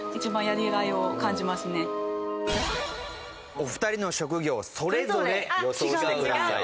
お二人の職業をそれぞれ予想してください。